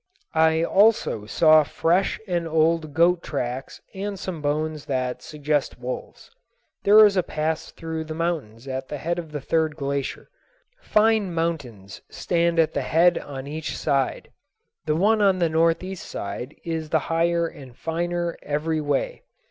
I also saw fresh and old goat tracks and some bones that suggest wolves. There is a pass through the mountains at the head of the third glacier. Fine mountains stand at the head on each side. The one on the northeast side is the higher and finer every way.